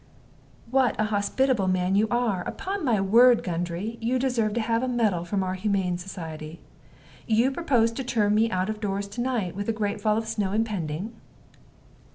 "What a hospitable man you are! Upon my word, Gundry, you deserve to have a medal from our Humane Society. You propose to turn me out of doors to night, with a great fall of snow impending?"